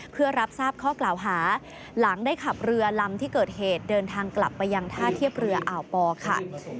เพื่อรับทราบข้อกล่าวหาหลังได้ขับเรือลำที่เกิดเหตุเดินทางกลับไปยังท่าเทียบเรืออ่าวปอค่ะ